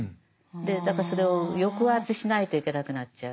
だからそれを抑圧しないといけなくなっちゃう。